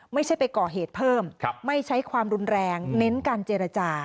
ไม่ใช่ไปก่อเหตุเพิ่มไม่ใช้ความรุนแรงเน้นการเจรจา